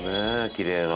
きれいな。